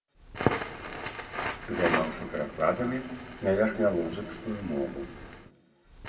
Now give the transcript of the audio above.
Займаўся перакладамі на верхнялужыцкую мову.